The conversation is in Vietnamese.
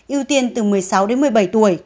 ưu tiên từ một mươi sáu đến một mươi bảy tuổi